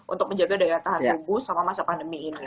untuk menjaga daya tahan tubuh selama masa pandemi ini